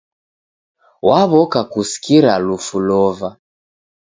Waw'oka kusikira lufu lova.